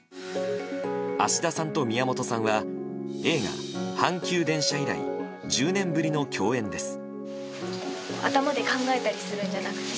芦田さんと宮本さんは映画「阪急電車」以来１０年ぶりの共演です。